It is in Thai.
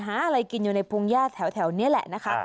หาอะไรกินอยู่ในพงญาติแถวนี้แหละนะคะ